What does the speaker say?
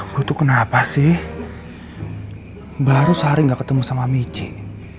aku tuh kenapa sih baru sehari nggak ketemu sama michi